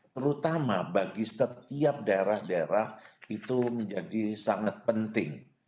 terutama bagi setiap daerah daerah itu menjadi sangat penting